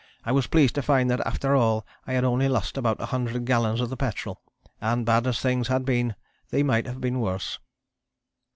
I was pleased to find that after all I had only lost about 100 gallons of the petrol and bad as things had been they might have been worse....